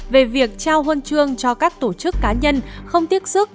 về việc trao hôn trương cho các tổ chức cá nhân không tiếc sức